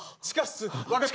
分かった。